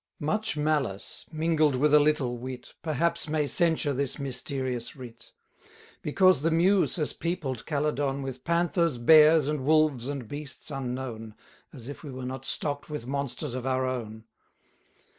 Much malice, mingled with a little wit, Perhaps may censure this mysterious writ: Because the Muse has peopled Caledon With Panthers, Bears, and Wolves, and beasts unknown, As if we were not stock'd with monsters of our own.